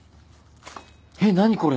えっ何これ！？